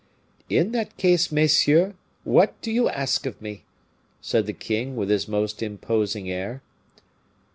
"In that case, messieurs, what do you ask of me?" said the king, with his most imposing air.